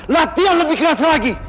latihan lebih keras lagi